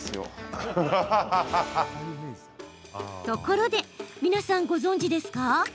ところで、皆さんご存じですか？